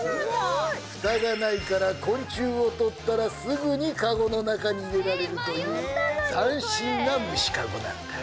ふたがないから昆虫をとったら、すぐにかごの中に入れられるという斬新な虫かごなんだ。